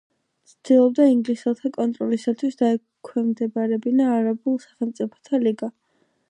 ცდილობდა ინგლისელთა კონტროლისათვის დაექვემდებარებინა არაბულ სახელმწიფოთა ლიგა.